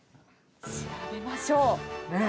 調べましょう！